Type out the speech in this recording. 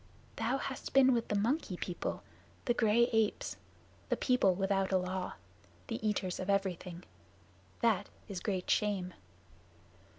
"Thou hast been with the Monkey People the gray apes the people without a law the eaters of everything. That is great shame."